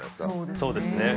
そうですね。